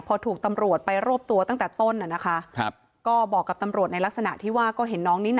พอถูกตำรวจไปรวบตัวตั้งแต่ต้นอ่ะนะคะครับก็บอกกับตำรวจในลักษณะที่ว่าก็เห็นน้องนี่น่ะ